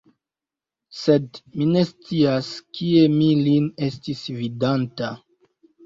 Sed mi ne scias, kie mi lin estis vidanta.